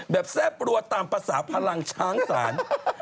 แบบแทรกบรัวตามภาษาพลังช้างสาร